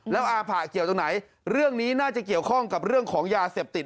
แล้วอาผะเกี่ยวตรงไหนเรื่องนี้น่าจะเกี่ยวข้องกับเรื่องของยาเสพติด